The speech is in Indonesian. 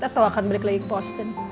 atau akan balik lagi ke poster